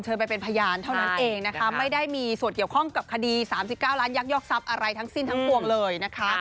ไปเป็นพยานเท่านั้นเองนะคะไม่ได้มีส่วนเกี่ยวข้องกับคดี๓๙ล้านยักยอกทรัพย์อะไรทั้งสิ้นทั้งปวงเลยนะคะ